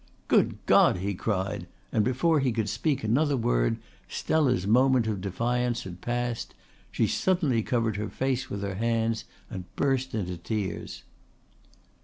"Good God!" he cried, and before he could speak another word Stella's moment of defiance passed. She suddenly covered her face with her hands and burst into tears.